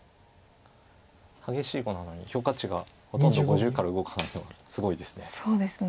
激しい碁なのに評価値がほとんど５０から動かないのはすごいですね。